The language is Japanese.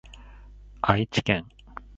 愛知県